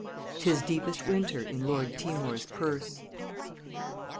"'TIS DEEPEST WINTER IN LORD TIMOR'S PURSE."